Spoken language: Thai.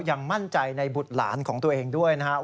ยังมั่นใจในบุตรหลานของตัวเองด้วยนะครับ